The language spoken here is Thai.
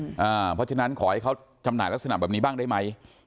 เพราะฉะนั้นขอให้เขาจำหน่ายลักษณะแบบนี้บ้างได้ไหม